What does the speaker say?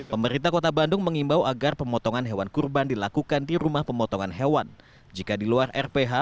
pemerintah kota bandung mengimbau agar pemotongan hewan kurban dilakukan di rumah pemotongan hewan jika di luar rph panitia kurban harus mengikuti standar disasi protokol kesehatan